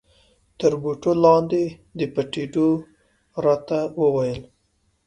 تر بوټو لاندې د پټېدو را ته و ویل.